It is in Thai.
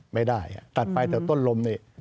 ไม่ได้ตัดไปแต่ต้นลมนี่